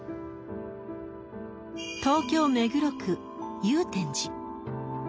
東京・目黒区祐天寺。